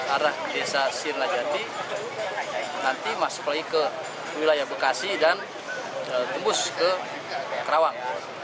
arah desa sirnajati nanti masuk lagi ke wilayah bekasi dan tembus ke karawang